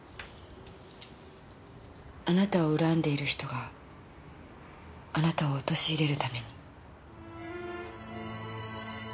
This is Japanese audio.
あなたを恨んでいる人があなたを陥れるために。